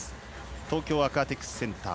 東京アクアティクスセンター。